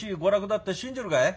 って信じるかい？